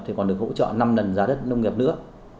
thì còn được hỗ trợ năm lần giá đất nông nghiệp nữa